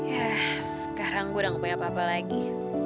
yah sekarang gue udah gak punya apa apa lagi